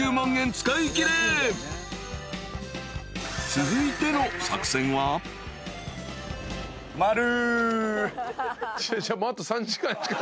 ［続いての作戦は］まる！